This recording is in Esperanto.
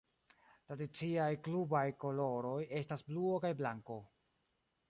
Tradiciaj klubaj koloroj estas bluo kaj blanko.